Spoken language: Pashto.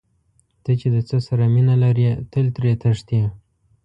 ته چې د څه سره مینه لرې تل ترې تښتې.